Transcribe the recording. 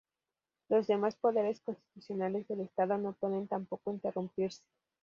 Los demás poderes constitucionales del Estado no pueden tampoco interrumpirse.